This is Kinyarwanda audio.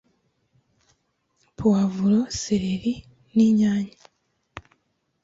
puwavuro, sereri n’inyanya